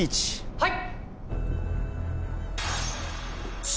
はい。